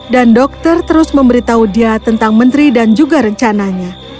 dan dokter terus memberitahu dia tentang menteri dan juga rencananya